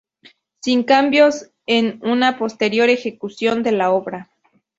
Sin cambios en una posterior ejecución de la obra.